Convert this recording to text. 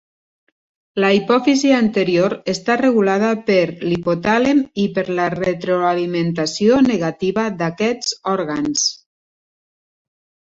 La hipòfisi anterior està regulada per l'hipotàlem i per la retroalimentació negativa d'aquests òrgans.